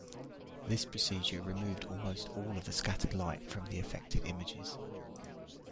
This procedure removed almost all of the scattered light from the affected images.